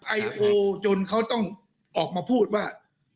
ไอโอจนเขาต้องออกมาพูดว่า